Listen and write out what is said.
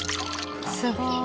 すごい。